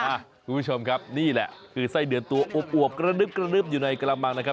คุณผู้ชมครับนี่แหละคือไส้เดือนตัวอวบกระนึบกระนึบอยู่ในกระมังนะครับ